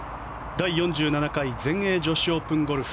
第４７回全英女子オープンゴルフ。